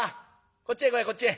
こっちへ来いこっちへ。